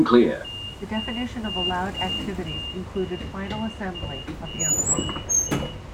The definition of allowed activities included final assembly of aircraft.